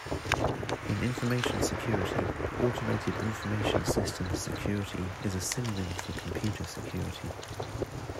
In information security, automated information systems security is a synonym for computer security.